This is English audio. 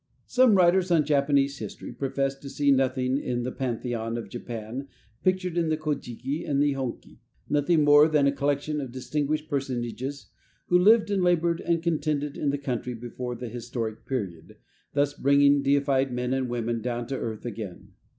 Some writers on Japanese history profess to see in the pantheon of Japan, pictured in the Kojiki and Nihonki, nothing more than a collection of distinguished personages who lived and labored and contended in the country before the historic period, thus bringing deified men and women down to earth again.